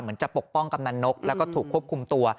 จะปกป้องกำนันนกแล้วก็ถูกควบคุมตัว